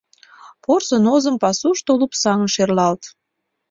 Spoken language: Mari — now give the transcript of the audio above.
Порсын озым пасушто Лупсаҥын, шерлалт.